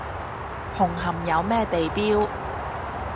紅磡有咩地標？